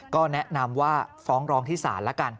ก็แนะนำว่าฟ้องร้องที่ศาลละกัน